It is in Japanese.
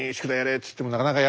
っつってもなかなかやらない。